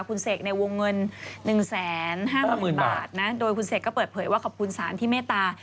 คุณเศกในวงเงินหนึ่งแสนห้าหมื่นบาทนะโดยคุณเศกก็เปิดเผยว่าขอบคุณสารที่เมตตา